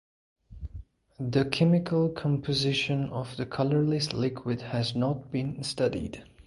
The chemical composition of the colorless liquid has not been studied.